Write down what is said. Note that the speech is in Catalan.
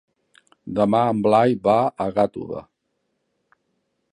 Demà en Blai va a Gàtova.